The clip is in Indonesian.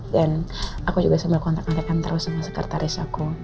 dan aku juga sambil kontak kontak kantor sama sekretaris aku